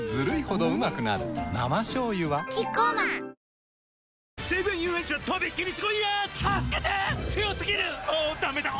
生しょうゆはキッコーマンようし！